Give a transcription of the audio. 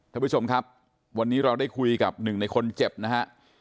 ท่านผู้ชมครับวันนี้เราได้คุยกับหนึ่งในคนเจ็บนะฮะ